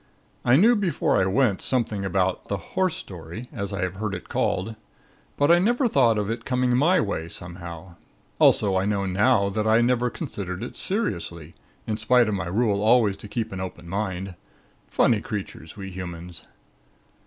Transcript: I knew before I went, something about the 'horse story,' as I have heard it called; but I never thought of it coming my way, somehow. Also I know now that I never considered it seriously in spite of my rule always to keep an open mind. Funny creatures, we humans!